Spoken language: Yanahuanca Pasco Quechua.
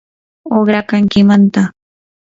uqrakankimantaq.